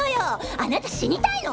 あなた死にたいの！？